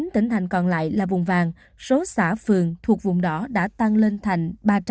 một mươi chín tỉnh thành còn lại là vùng vàng số xã phường thuộc vùng đỏ đã tăng lên thành ba trăm sáu mươi bảy